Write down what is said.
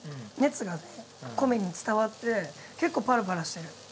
米に伝わって結構パラパラしてる。